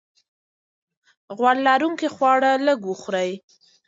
غوړ لرونکي خواړه لږ وخورئ.